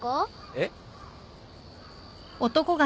えっ。